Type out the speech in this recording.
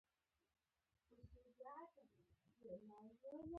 نړیوالې ټولنې هم د مرستې ژمنه وکړه.